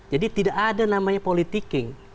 jadi tidak ada namanya politiking